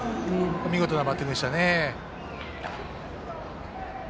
見事なバッティングでしたね。